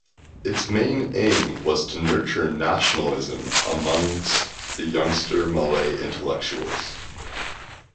Its main aim was to nurture nationalism amongst the younger Malay intellectuals.